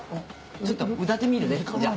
ちょっと歌ってみるねじゃあ。